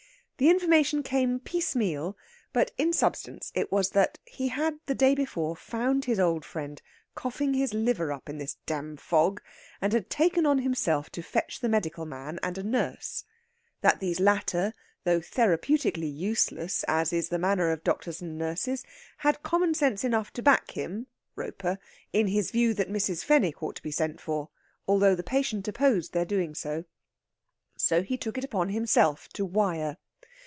The information came piecemeal; but in substance it was that he had the day before found his old friend coughing his liver up in this dam fog, and had taken on himself to fetch the medical man and a nurse; that these latter, though therapeutically useless, as is the manner of doctors and nurses, had common sense enough to back him (Roper) in his view that Mrs. Fenwick ought to be sent for, although the patient opposed their doing so. So he took upon himself to wire.